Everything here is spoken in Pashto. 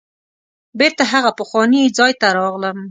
بیرته هغه پخواني ځای ته راغلم.